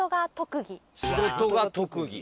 仕事が特技。